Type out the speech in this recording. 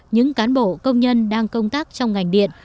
những cán bộ công nhân đang công tác trong ngành điện